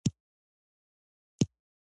افغانستان د زردالو د ډولونو له پلوه متنوع دی.